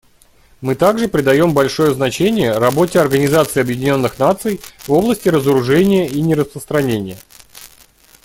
Мы также придаем большое значение работе Организации Объединенных Наций в области разоружения и нераспространения.